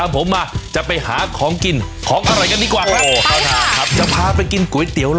ก็มีอยากนึงค่ะที่อยากจะบอกกับผู้ชมก็คือ